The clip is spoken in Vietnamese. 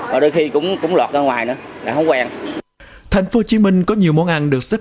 và đôi khi cũng lọt ra ngoài nữa là không quen thành phố hồ chí minh có nhiều món ăn được xích